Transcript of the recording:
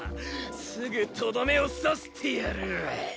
すぐとどめを刺してやる。